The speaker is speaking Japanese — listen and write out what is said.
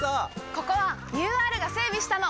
ここはＵＲが整備したの！